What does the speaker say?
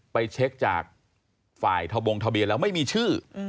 ไปเช็คจากฝ่ายทะบงทะเบียนแล้วไม่มีชื่อ